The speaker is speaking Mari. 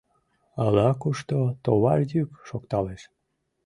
Ала-кушто товар йӱк шокталеш.